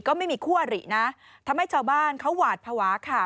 ก็ไม่มีคู่อรินะทำให้ชาวบ้านเขาหวาดภาวะค่ะ